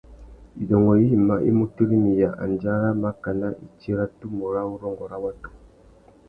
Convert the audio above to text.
Widôngôkunú yïmá i mu tirimiya andjara makana itsi râ tumu râ urrôngô râ watu.